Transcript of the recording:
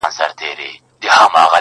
صبر د خوشحالۍ لار ده.